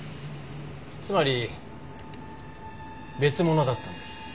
つまり別物だったんです。